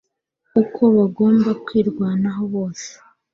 uko bagomba kwirwanaho bose